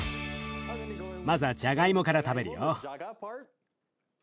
まずはじゃがいもから食べるよ。